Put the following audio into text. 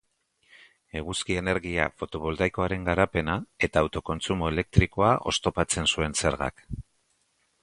Eguzki-energia fotovoltaikoaren garapena eta autokontsumo elektrikoa oztopatzen zuen zergak.